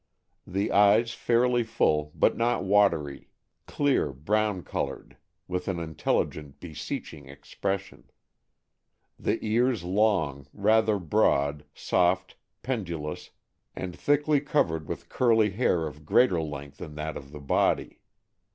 The eyes fairly full, but not watery; clear, brown colored, with an intelligent, beseeching expression. The ears long, rather broad, soft, pendulous, and thickly covered with curly hair of greater length than that on the body.